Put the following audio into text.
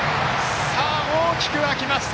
大きく沸きました！